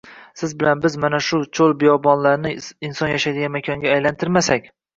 Siz bilan biz mana shu cho‘l-biyobonlarni inson yashaydigan makonga aylantirmasak...